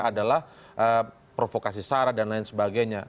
adalah provokasi sarah dan lain sebagainya